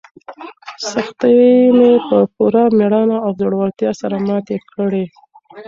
سختۍ مې په پوره مېړانه او زړورتیا سره ماتې کړې.